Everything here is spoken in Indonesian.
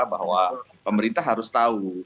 bahwa pemerintah harus tahu